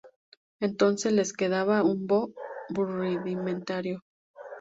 Entonces les quedaba un "bō" rudimentario.